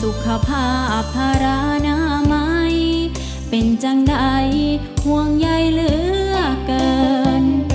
สุขภาพภารานาไหมเป็นจังใดห่วงใยเหลือเกิน